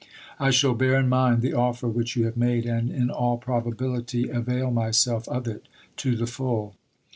I shall bear in mind the offer which you have made and in all probability avail myself of it to the full.